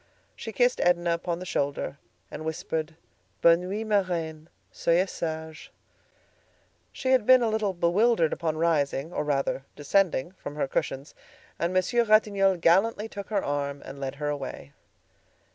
She kissed Edna upon the shoulder, and whispered: "Bonne nuit, ma reine; soyez sage." She had been a little bewildered upon rising, or rather, descending from her cushions, and Monsieur Ratignolle gallantly took her arm and led her away.